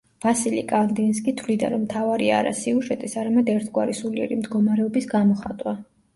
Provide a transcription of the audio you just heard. ვასილი კანდინსკი თვლიდა, რომ მთავარია არა სიუჟეტის, არამედ ერთგვარი სულიერი მდგომარეობის გამოხატვა.